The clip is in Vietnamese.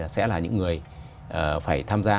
sẽ là những người phải tham gia